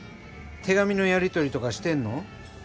手紙のやり取りとかしてんの？